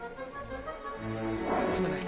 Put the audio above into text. すまない